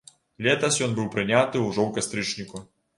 Летась ён быў прыняты ўжо ў кастрычніку.